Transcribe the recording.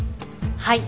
はい。